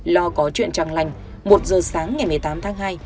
lo có chuyện trăng lành một giờ sáng ngày một mươi tám tháng hai